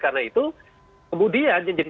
karena itu kemudian yang jadi